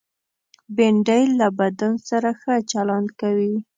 بېنډۍ له بدن سره ښه چلند کوي